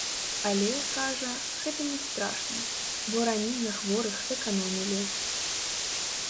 Але, кажа, гэта не страшна, бо раней на хворых эканомілі.